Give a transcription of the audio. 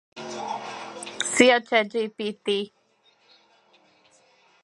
Ilyen nekropoliszokat találhatók Toszkána keleti részén és Lazio északi vidékein.